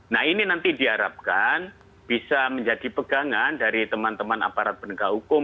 nah ini nanti diharapkan bisa menjadi pegangan dari teman teman aparat penegak hukum